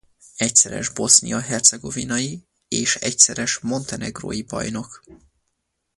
Egyszeres bosznia-hercegovinai és egyszeres montenegrói bajnok.